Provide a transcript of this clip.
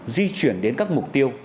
di chuyển đến các mục tiêu